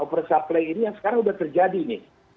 operasi sakai ini yang sekarang sudah terjadi nih